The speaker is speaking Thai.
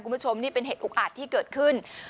คุณผู้ชมนี่เป็นเหตุอุกอาจที่เกิดขึ้น